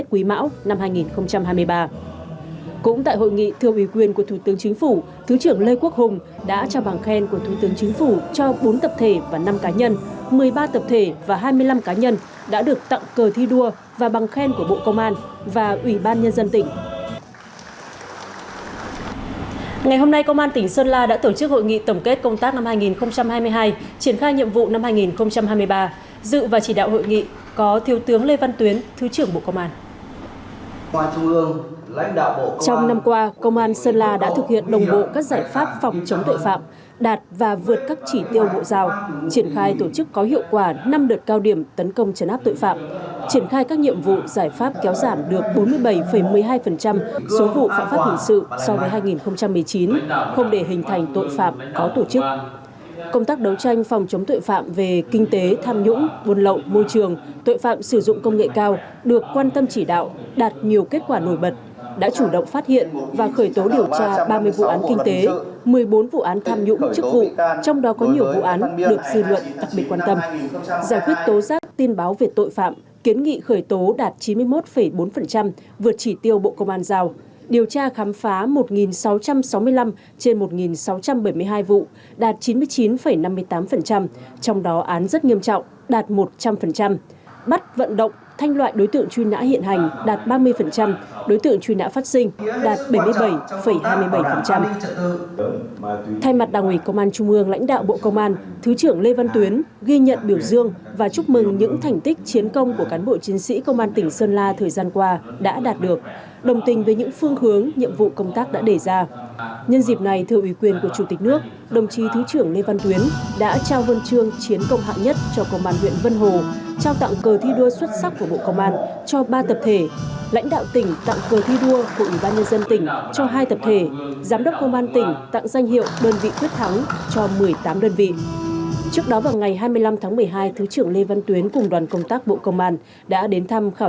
trong năm qua công an sơn la đã thực hiện đồng bộ các giải pháp phòng chống tội phạm triển khai tổ chức có hiệu quả năm đợt cao điểm tấn công chấn áp tội phạm triển khai tổ chức có hiệu quả năm đợt cao điểm tấn công chấn áp tội phạm triển khai tổ chức có hiệu quả năm đợt cao điểm tấn công chấn áp tội phạm triển khai tổ chức có hiệu quả năm đợt cao điểm tấn công chấn áp tội phạm triển khai tổ chức có hiệu quả năm đợt cao điểm tấn công chấn áp tội phạm triển khai tổ chức có hiệu quả năm đợt ca